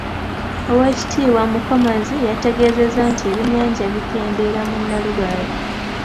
Owekitiibwa Mukomazi yategeezezza nti ebyenyanja bikeendeera mu Nnalubaale.